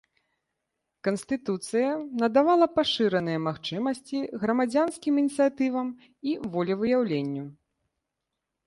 Канстытуцыя надавала пашыраныя магчымасці грамадзянскім ініцыятывам і волевыяўленню.